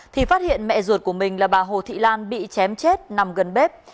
thì phát hiện mẹ ruột của mình là bà hồ thị lan bị chém chết nằm gần bếp